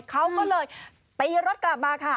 เขาก็เลยตีรถกลับมาค่ะ